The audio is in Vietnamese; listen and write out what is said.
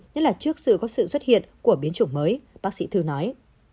nhất là trước sự có sự xuất hiện của biến chủng mới bác sĩ thư nói